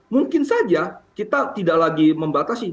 mungkin saja kita tidak lagi membatasi